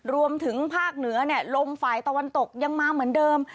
รวมถึงภาคเหนือลมฝ่ายตะวันตกยังมาเหมือนเดิม